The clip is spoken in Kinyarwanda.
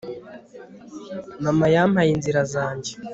mama yampaye inzira zanjye